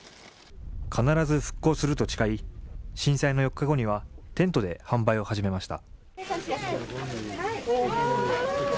「必ず復興する」と誓い震災の４日後にはテントで販売を始めました。